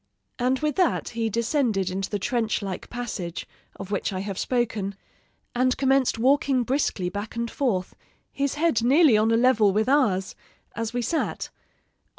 "And with that he descended into the trench like passage, of which I have spoken, and commenced walking briskly back and forth, his head nearly on a level with ours, as we sat.